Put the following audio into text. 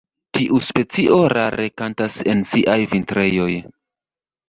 Tiu specio rare kantas en siaj vintrejoj.